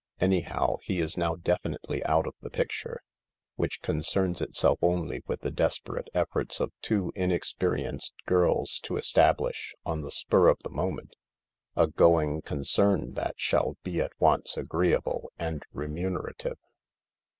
Anyhow, he is now definitely out of the picture, which concerns itself only with the desperate efforts of two inex perienced girls to establish, on the spur of the moment, a going concern that shall be at once agreeable and remunerative.